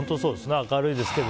明るいですけど。